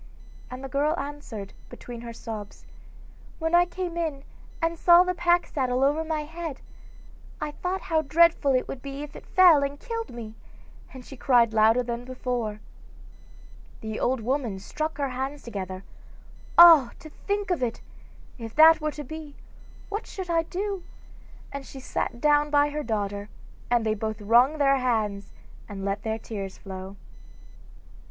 and the girl answered, between her sobs: 'When I came in and saw the pack saddle over my head, I thought how dreadful it would be if it fell and killed me,' and she cried louder than before. The old woman struck her hands together: 'Ah, to think of it! if that were to be, what should I do?' and she sat down by her daughter, and they both wrung their hands and let their tears flow.